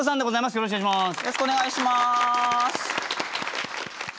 よろしくお願いします。